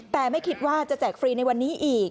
แต่ไม่คิดว่าจะแจกฟรีในวันนี้อีก